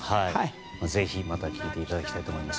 ぜひまた聴いていただきたいと思います。